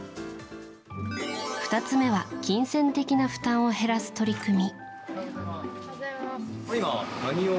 ２つ目は金銭的な負担を減らす取り組み。